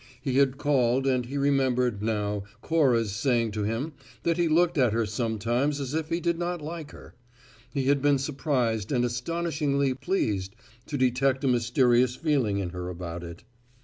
He had called, and he remembered, now, Cora's saying to him that he looked at her sometimes as if he did not like her; he had been surprised and astonishingly pleased to detect a mysterious feeling in her about it.